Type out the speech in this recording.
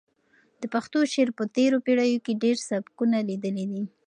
د پښتو شعر په تېرو پېړیو کې ډېر سبکونه لیدلي دي.